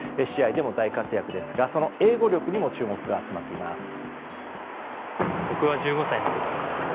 試合でも大活躍ですがその英語力にも注目が集まっています。